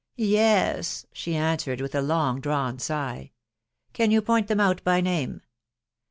" Yes !" she .answered with a long drawn sjgh. "Can you point them out by name